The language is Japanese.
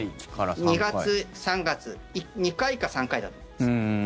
２月、３月２回か３回だと思います。